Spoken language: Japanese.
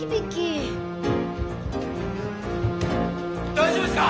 大丈夫ですか！